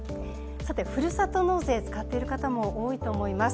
さて、ふるさと納税、使っている方も多いと思います。